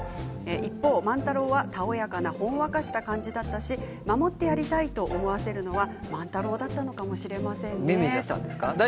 一方、万太郎はたおやかなほんわかした感じだったし守ってやりたいと思わせるのは万太郎だったのかもしれませんね。